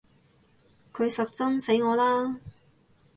佢實憎死我啦！